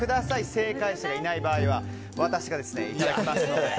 正解者がいない場合は私がいただきます。